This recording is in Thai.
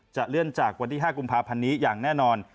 เลื่อนจากวันที่๕กุมภาพันธ์นี้อย่างแน่นอน